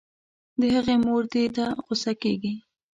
د هغې مور دې ته غو سه کيږي